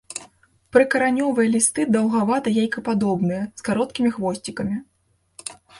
Прыкаранёвыя лісты даўгавата-яйкападобныя, з кароткімі хвосцікамі.